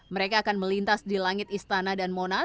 mereka akan melintas di langit istana dan monas